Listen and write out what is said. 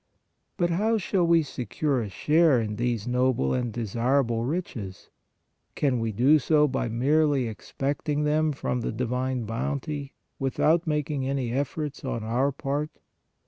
But how shall we secure a share in these noble and desirable riches? Can we do so by merely expect ing them from the divine bounty without making any efforts on our part?